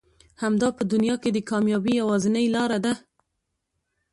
همدا په دنيا کې د کاميابي يوازنۍ لاره ده.